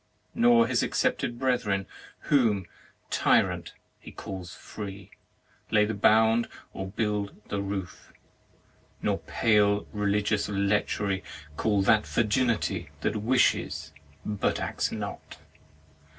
Nor his accepted brethren whom, tyrant, he calls free, lay the bound or build the roof. Nor pale religious lechery call that virginity that wishes, but acts not